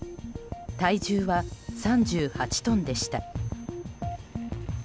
体重は３８トンでした。